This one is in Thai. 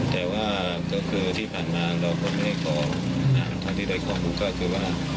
แต่ว่าก็คือที่ผ่านมาเราก็ไม่ได้ขอเท่าที่ได้ข้อมูลก็คือว่า